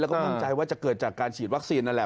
แล้วก็มั่นใจว่าจะเกิดจากการฉีดวัคซีนนั่นแหละ